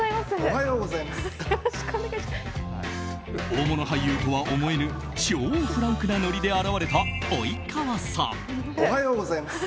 大物俳優とは思えぬ超フランクなノリで現れたおはようございます。